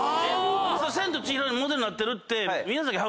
『千と千尋』のモデルになってるって。